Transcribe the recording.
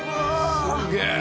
すげえ！